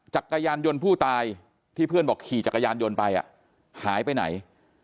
จักรยานยนต์ผู้ตายที่เพื่อนบอกขี่จักรยานยนต์ไปหายไปไหน